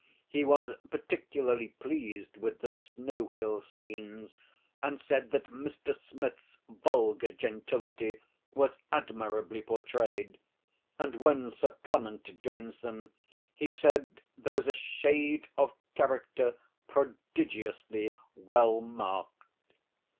He was particularly pleased with the snow hill scenes, and said that Mr. Smith's vulgar gentility was admirably portrayed; and when Sir Clement joins them, he said there was a shade of character prodigiously well marked.